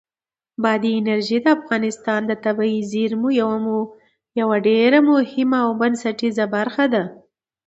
بادي انرژي د افغانستان د طبیعي زیرمو یوه ډېره مهمه او بنسټیزه برخه ده.